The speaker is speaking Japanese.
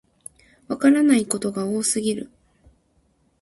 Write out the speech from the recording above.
わからないことが多すぎる